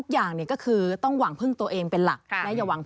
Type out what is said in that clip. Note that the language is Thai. กรกฏทำไมล่ะฮะ